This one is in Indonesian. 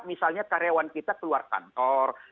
misalnya karyawan kita keluar kantor